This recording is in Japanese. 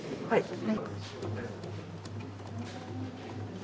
はい。